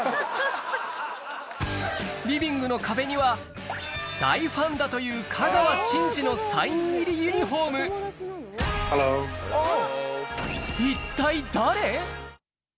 リビングの壁には大ファンだという香川真司のサイン入りユニホームハロー。